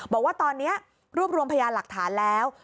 บอกว่าตอนนี้รวบรวมพยานหลักฐานแล้ว